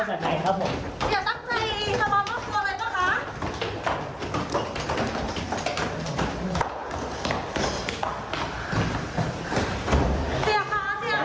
เดินข้างมาจากไหนครับเดินข้างมาจากไหนครับผม